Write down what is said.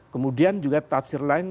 kemudian juga tafsir lain